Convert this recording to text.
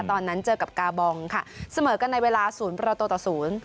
ตอนนั้นเจอกับกาบองค่ะเสมอกันในเวลา๐ประตูต่อ๐